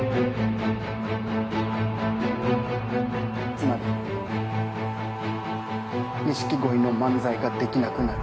つまり錦鯉の漫才ができなくなる。